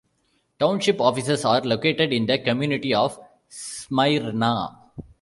Township offices are located in the community of Smyrna.